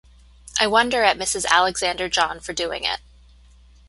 I wonder at Mrs. Alexander John for doing it.